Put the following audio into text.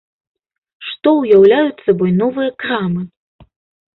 Што ўяўляюць сабой новыя крамы?